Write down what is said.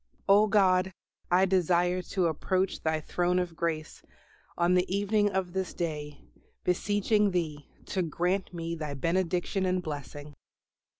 O God, I desire to approach Thy throne of Grace on the evening of this day, beseeching Thee to grant me Thy benediction and blessing.